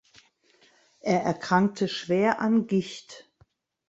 Er erkrankte schwer an Gicht.